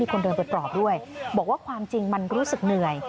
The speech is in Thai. คนเดินไปปลอบด้วยบอกว่าความจริงมันรู้สึกเหนื่อย